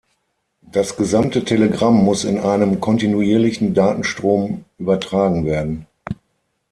Das gesamte Telegramm muss in einem kontinuierlichen Datenstrom übertragen werden.